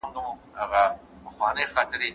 هغه علم چي فردي رفتار څېړي، ارواپوهنه ده.